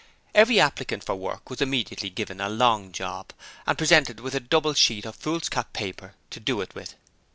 Every applicant for work was immediately given a long job, and presented with a double sheet of foolscap paper to do it with.